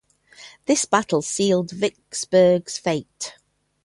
This battle sealed Vicksburg's fate.